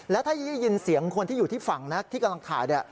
แล้วถ้าได้ยินเสียงคนที่อยู่ที่ฝั่งนะที่กำลังถ่าย